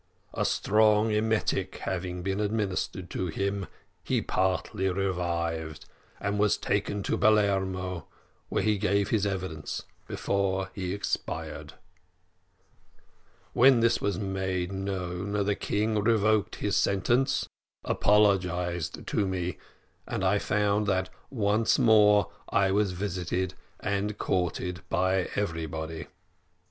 A strong emetic having been administered to him, he partially revived, and was taken to Palermo, where he gave his evidence before he expired. "When this was made known, the king revoked his sentence, apologised to me, and I found that once more I was visited and courted by everybody.